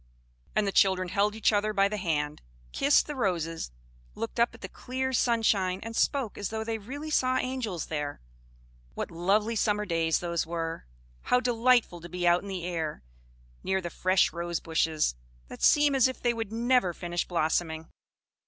And the children held each other by the hand, kissed the roses, looked up at the clear sunshine, and spoke as though they really saw angels there. What lovely summer days those were! How delightful to be out in the air, near the fresh rose bushes, that seem as if they would never finish blossoming!